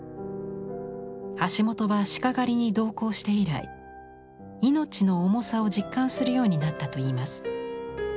橋本は鹿狩りに同行して以来命の重さを実感するようになったといいます。